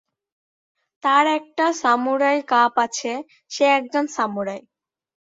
তার একটা samurai cup আছে, সে একজন সামুরাই!